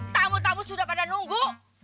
tamu tamu sudah pada nunggu